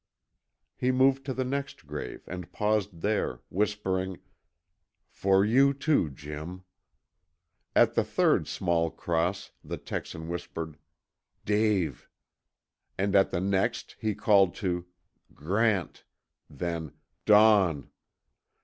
He moved to the next grave and paused there, whispering, "For you too, Jim." At the third small cross the Texan whispered, "Dave," and at the next he called to, "Grant," then "Don."